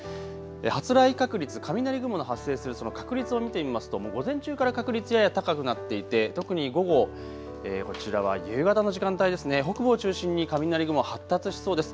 発雷確率、雷雲の発生する確率を見てみますとも午前中から確率やや高くなっていて特に午後、こちらは夕方の時間帯、北部を中心に雷雲発達しそうです。